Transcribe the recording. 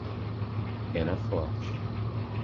Penaforte